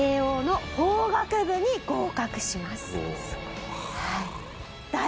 すごい。